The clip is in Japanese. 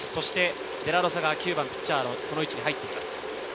デラロサが９番ピッチャーのその位置に入っています。